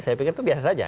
saya pikir itu biasa saja